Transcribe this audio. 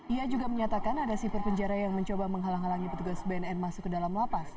ia juga menyatakan ada siper penjara yang mencoba menghalang halangi petugas bnn masuk ke dalam lapas